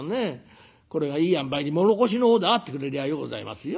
これがいいあんばいに唐土の方であってくれりゃようございますよ。